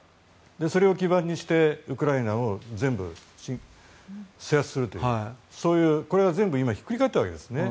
それを基盤にしてウクライナも全部制圧するというこれが全部ひっくり返ったわけですね。